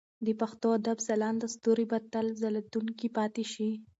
د پښتو ادب ځلانده ستوري به تل ځلېدونکي پاتې شي.